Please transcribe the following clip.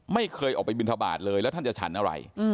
ไม่เคยออกไปบินทบาทเลยแล้วท่านจะฉันอะไร